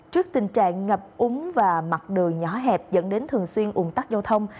trước tình trạng ngập úng và mặt đường nhỏ hẹp dẫn đến thường xuyên ủng tắc giao thông